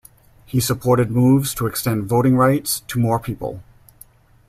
He supported moves to extend voting rights to more people.